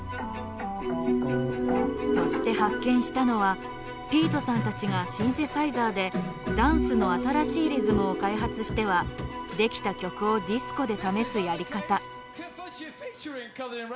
そして発見したのはピートさんたちがシンセサイザーでダンスの新しいリズムを開発しては出来た曲をディスコで試すやり方。